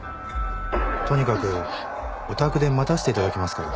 とにかくお宅で待たせていただきますから。